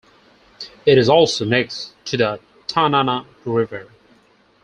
It is also next to the Tanana River.